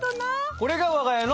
これが我が家の。